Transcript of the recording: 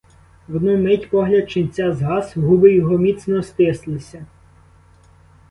В одну мить погляд ченця згас, губи його міцно стислися.